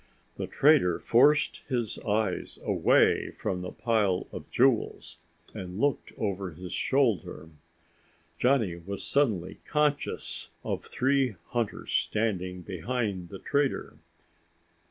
The trader forced his eyes away from the pile of jewels and looked over his shoulder. Johnny was suddenly conscious of three hunters standing behind the trader.